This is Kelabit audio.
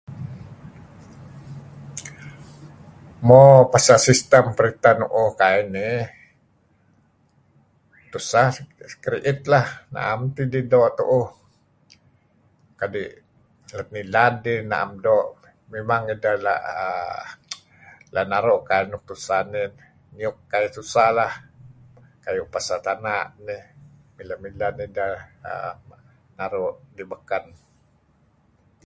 Mo pasal sistem printah nuuh kai nih tuseh keriit lah 'am tidih doo' tuuh kadi' lat ngilad dih naem doo' mimang ideh la' naru kai nuk tusah nih ngiyuk kai tusah lah. Kayu' pasal tana nih. Mileh-mileh nideh naru' dih baken.